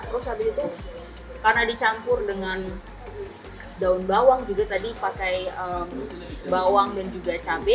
terus habis itu karena dicampur dengan daun bawang juga tadi pakai bawang dan juga cabai